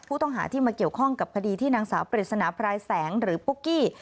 ผู้ต้องหาที่มาเกี่ยวข้องกับคดีที่นางสาวปริศนาพรายแสงหรือปุ๊กกี้